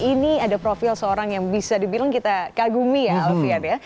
ini ada profil seorang yang bisa dibilang kita kagumi ya alfian ya